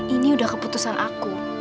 ini udah keputusan aku